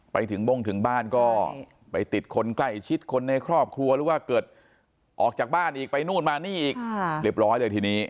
ไปถึงบ้งถึงบ้านก็ไปติดคนใกล้ชิดคนในครอบครัวหรือว่าเกิดออกจากบ้านอีกไปนู่นมานี่อีกเรียบร้อยเลยทีนี้